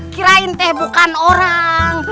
kira kira itu bukan orang